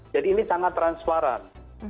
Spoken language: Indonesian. jadi ini sangat transparan